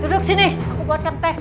tuh duduk sini aku buatkan teh dulu